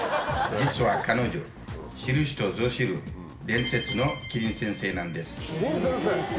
実は彼女、知る人ぞ知る伝説のキリン先生なんです。